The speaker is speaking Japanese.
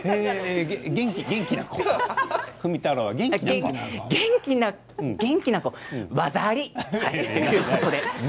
元気な子元気な子技あり！ということで。